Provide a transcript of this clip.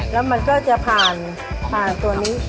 แล้วมันก็จะผ่านตัวนี้